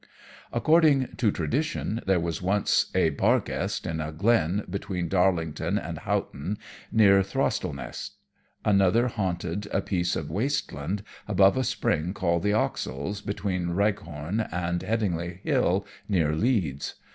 According to tradition there was once a "Barguest" in a glen between Darlington and Houghton, near Throstlenest. Another haunted a piece of waste land above a spring called the Oxwells, between Wreghorn and Headingley Hill, near Leeds.